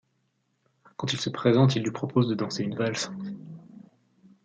Quand il se présente, il lui propose de danser une valse.